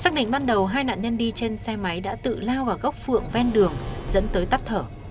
xác định ban đầu hai nạn nhân đi trên xe máy đã tự lao vào gốc phượng ven đường dẫn tới tắt thở